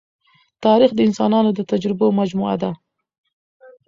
تاریخ د انسانانو د تجربو مجموعه ده.